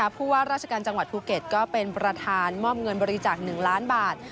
ผู้ว่าราชการจังหวัดภูเก็ตก็เป็นประธานมอบเงินบริจาค๑ล้านบาท